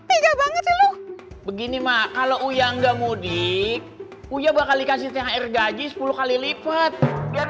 enggak banget begini mak kalau uya nggak mudik uya bakal dikasih thr gaji sepuluh kali lipat biar